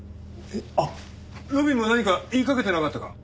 あっ路敏も何か言いかけてなかったか？